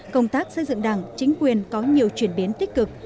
công tác xây dựng đảng chính quyền có nhiều chuyển biến tích cực